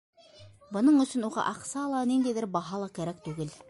Бының өсөн уға аҡса ла, ниндәйҙер баһа ла кәрәк түгел.